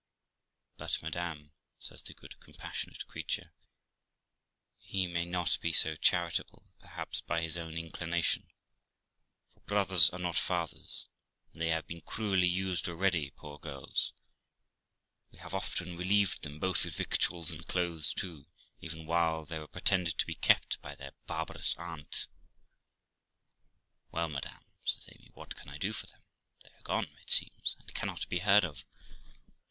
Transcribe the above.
But, madam', says the good, compassionate creature, 'he may not be so charitable perhaps by his own inclination, for brothers are not fathers, and they have been cruelly used already, poor girls ; we have often relieved them, both with victuals and clothes too, even while they were pretended to be kept by their barbarous aunt.' Well, madam', says Amy, 'what can I do for them? They are gone, it seems, and cannot be heard of.